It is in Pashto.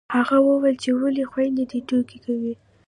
هغه وويل چې ولې خویندې دې ټوکې کوي